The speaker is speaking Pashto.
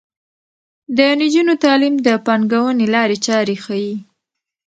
د نجونو تعلیم د پانګونې لارې چارې ښيي.